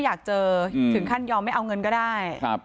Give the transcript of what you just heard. อยากเจอถึงขั้นยอมไม่เอาเงินก็ได้